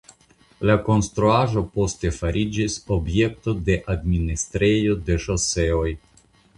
La konstruaĵo poste fariĝis objekto de administrejo de ŝoseoj.